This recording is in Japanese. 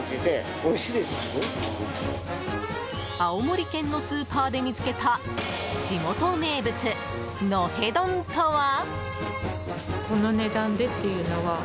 青森県のスーパーで見つけた地元名物、のへ丼とは？